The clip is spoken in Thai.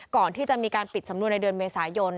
ก่อนที่จะมีการปิดสำนวนในเดือนเมษายน